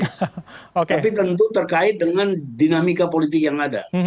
tapi tentu terkait dengan dinamika politik yang ada